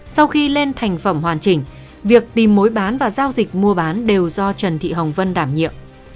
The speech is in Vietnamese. sau khi lên thành phẩm hoàn chỉnh việc tìm mối bán và giao dịch mua bán đều do trần thị hồng vân đảm nhiệm